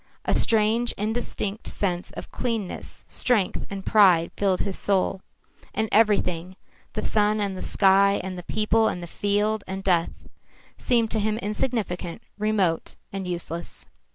A strange indistinct sense of cleanness, strength and pride filled his soul, and everything the sun and the sky and the people and the field and death seemed to him insignificant, remote and useless.